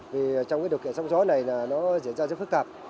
vì trong cái điều kiện sóng gió này là nó diễn ra rất phức tạp